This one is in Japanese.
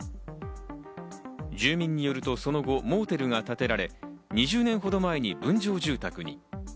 住民によると、その後モーテルが建てられ、２０年ほど前に分譲住宅に。